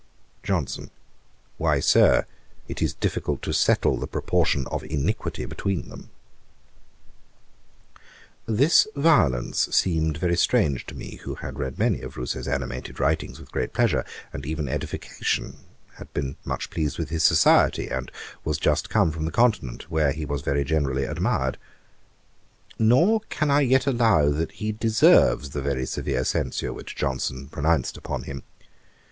JOHNSON. 'Why, Sir, it is difficult to settle the proportion of iniquity between them.' This violence seemed very strange to me, who had read many of Rousseau's animated writings with great pleasure, and even edification, had been much pleased with his society, and was just come from the Continent, where he was very generally admired. Nor can I yet allow that he deserves the very severe censure which Johnson pronounced upon him.